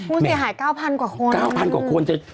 ผู้เสียหาย๙๐๐๐กว่าคนอย่างไรหมด